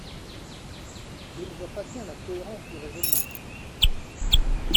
Je ne vois pas bien la cohérence du raisonnement.